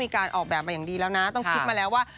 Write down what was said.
การออกแบบมาอย่างดีแล้วนะต้องคิดมาแล้วว่า